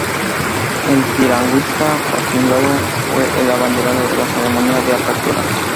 El piragüista Joaquim Lobo fue el abanderado en la ceremonia de apertura.